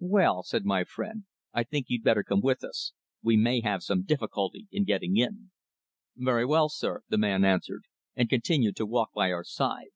"Well," said my friend, "I think you'd better come with us. We may have some difficulty in getting in." "Very well, sir," the man answered, and continued to walk by our side.